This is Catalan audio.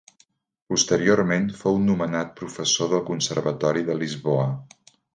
Posteriorment fou nomenat professor del conservatori de Lisboa.